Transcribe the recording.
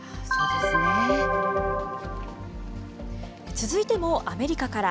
続いてもアメリカから。